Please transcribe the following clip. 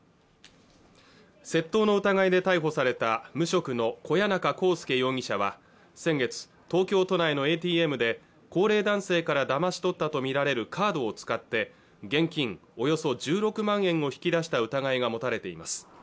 窃盗の疑いで逮捕された無職の小谷中宏介容疑者は先月東京都内のＡＴＭで高齢男性からだまし取ったと見られるカードを使って現金およそ１６万円を引き出した疑いが持たれています